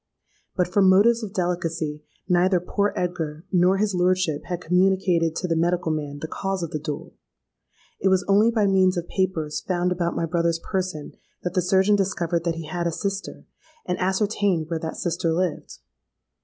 But, from motives of delicacy, neither poor Edgar nor his lordship had communicated to the medical man the cause of the duel. It was only by means of papers found about my brother's person that the surgeon discovered that he had a sister, and ascertained where that sister lived.